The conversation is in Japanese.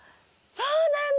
そうなんだ！